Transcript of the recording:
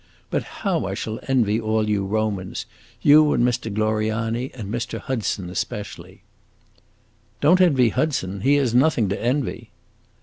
But how I shall envy all you Romans you and Mr. Gloriani, and Mr. Hudson, especially!" "Don't envy Hudson; he has nothing to envy."